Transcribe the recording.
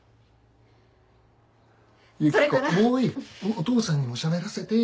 お父さんにもしゃべらせて。